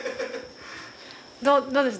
どうです？